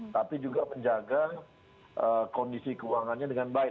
tapi juga menjaga kondisi keuangannya dengan baik